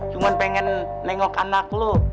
cuman pengen nengok anak lo